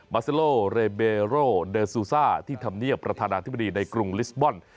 ซิโลเรเบโรเดอร์ซูซ่าที่ธรรมเนียบประธานาธิบดีในกรุงลิสบอล